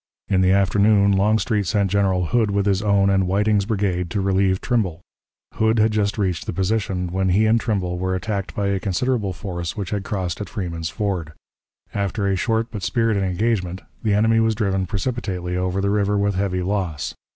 In the afternoon Longstreet sent General Hood with his own and Whiting's brigade to relieve Trimble. Hood had just reached the position, when he and Trimble were attacked by a considerable force which had crossed at Freeman's Ford. After a short but spirited engagement, the enemy was driven precipitately over the river with heavy loss.